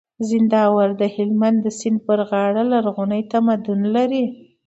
زينداور د هلمند د سيند پر غاړه لرغونی تمدن لري